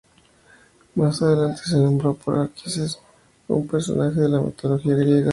Más adelante se nombró por Anquises, un personaje de la mitología griega.